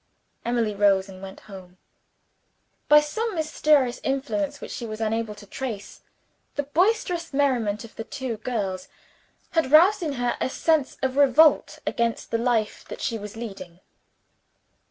Emily rose and went home. By some mysterious influence which she was unable to trace, the boisterous merriment of the two girls had roused in her a sense of revolt against the life that she was leading.